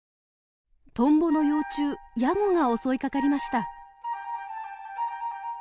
トンボの幼虫ヤゴが襲いかかりました。